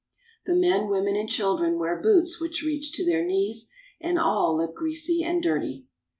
The men, women, and children wear boots which reach to their knees, and all look greasy and dirty.